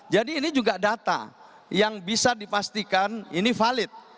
jadi ini juga data yang bisa dipastikan ini valid